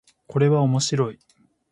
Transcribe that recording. これは面白い